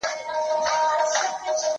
زه به سبا ليکنې کوم؟!